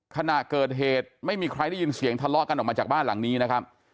ขณะเกิดเหตุไม่มีใครได้ยินเสียงทะเลาะกันออกมาจากบ้านหลังนี้นะครับ